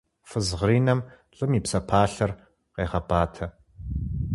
Фыз гъринэм лӀым и псэпалъэр къегъэбатэ.